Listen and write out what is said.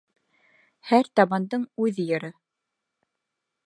Һәр табандың үҙ йыры.